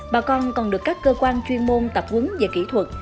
bà con còn được các cơ quan chuyên môn tập quấn về kỹ thuật